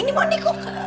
ini mandi kok